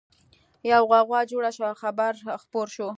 يوه غوغا جوړه شوه او خبر خپور شو